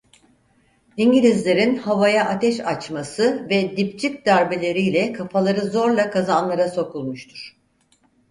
İngilizlerin havaya ateş açması ve dipçik darbeleriyle kafaları zorla kazanlara sokulmuştur.